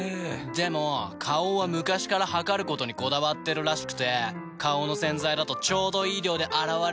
でも花王は昔から量ることにこだわってるらしくて花王の洗剤だとちょうどいい量で洗われてるなって。